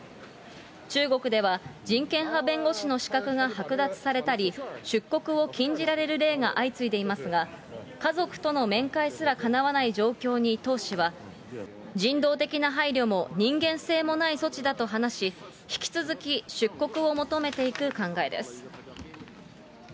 中国では、人権派弁護士の資格が剥奪されたり、出国を禁じられる例が相次いでいますが、家族との面会すらかなわない状況に、唐氏は、人道的な配慮も人間性もない措置だと話し、引き続き出国を求めていく考えです。